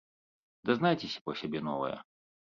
Дазнайцеся пра сябе новае!